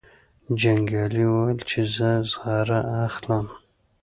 جنګیالي وویل چې زه زغره اخلم.